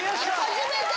初めて！